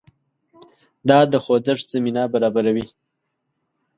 دا د خوځښت زمینه برابروي.